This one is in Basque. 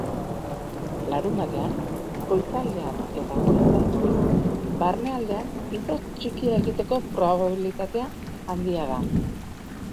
Larunbatean, goizaldean eta goizean goiz barnealdean izotz txikia egiteko probabilitatea handia da.